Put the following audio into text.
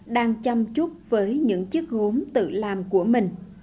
đang chăm chút với những chiếc hốn tự làm của mình